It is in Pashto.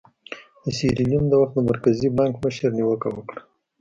د سیریلیون د وخت د مرکزي بانک مشر نیوکه وکړه.